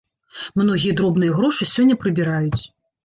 Многія дробныя грошы сёння прыбіраюць.